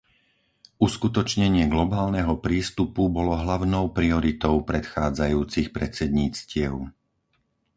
Uskutočnenie globálneho prístupu bolo hlavnou prioritou prechádzajúcich predsedníctiev.